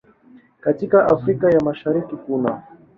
Katika Afrika ya Mashariki kunaː